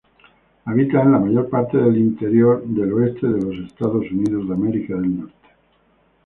Habita en la mayor parte del interior del oeste de Estados Unidos.